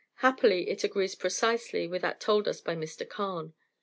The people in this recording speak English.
Happily it agrees precisely with that told us by Mr. Carne.